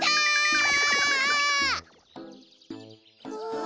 ああ。